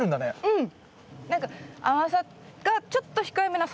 うん！